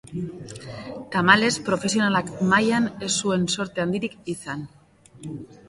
Tamalez, profesional mailan ez zuen zorte handirik izan.